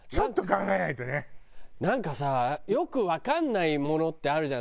なんかさよくわかんないものってあるじゃん。